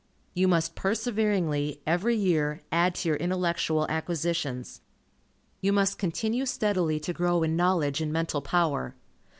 You must perseveringly, every year, add to your intellectual acquisitions. You must continue steadily to grow in knowledge and mental power.